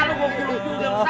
lo mau gulung tuh